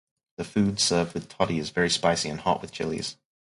The food served with toddy is very spicy and hot with chilies.